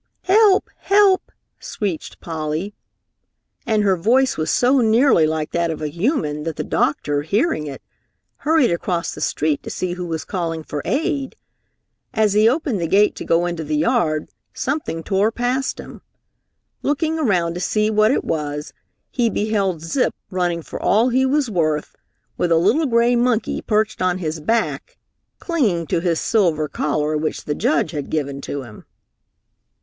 "Help! Help!" screeched Polly. And her voice was so nearly like that of a human that the doctor, hearing it, hurried across the street to see who was calling for aid. As he opened the gate to go into the yard, something tore past him. Looking around to see what it was, he beheld Zip running for all he was worth, with a little gray monkey perched on his back, clinging to his silver collar which the Judge had given to him.